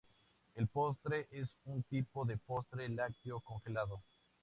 El postre es un tipo de postre lácteo congelado.